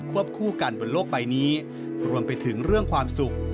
คู่กันบนโลกใบนี้รวมไปถึงเรื่องความสุข